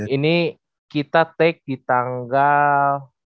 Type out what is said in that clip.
ini kita take di tanggal